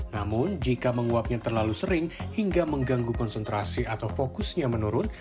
namun jika menguapnya terlalu sering hingga mengganggu konsentrasi atau fokusnya menurun